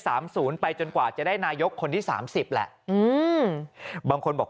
ศูนย์ไปจนกว่าจะได้นายกคนที่สามสิบแหละอืมบางคนบอก